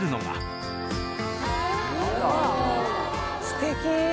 すてき！